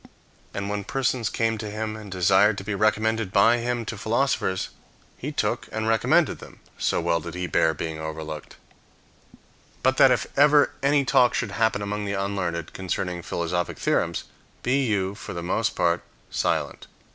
And when persons came to him and desired to be recommended by him to philosophers, he took and recommended them, so well did he bear being overlooked. So that if ever any talk should happen among the unlearned concerning philosophic theorems, be you, for the most part, silent.